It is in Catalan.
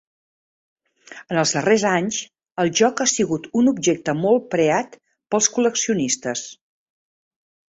En els darrers anys, el joc ha sigut un objecte molt preat pels col·leccionistes.